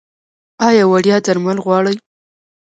ایا وړیا درمل غواړئ؟